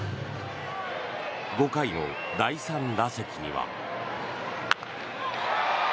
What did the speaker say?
５回の第３打席には。